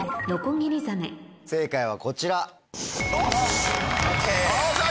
正解はこちら。